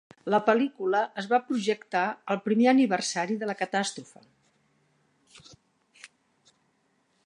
La pel·lícula es va projectar el primer aniversari de la catàstrofe.